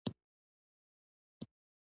هيچا ته د هيڅ شې لپاره درويزه مه کوه.